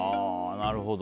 なるほど。